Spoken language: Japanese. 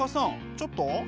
ちょっと？